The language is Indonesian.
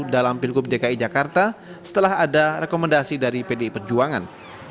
dalam pilgub dki jakarta setelah ada rekomendasi dari pdi perjuangan